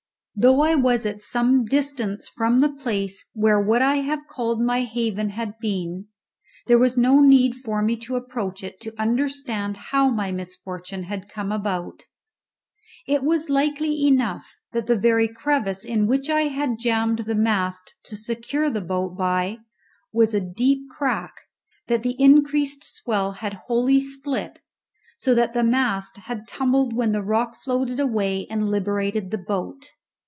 Though I was at some distance from the place where what I have called my haven had been, there was no need for me to approach it to understand how my misfortune had come about. It was likely enough that the very crevice in which I had jammed the mast to secure the boat by was a deep crack that the increased swell had wholly split, so that the mast had tumbled when the rock floated away and liberated the boat.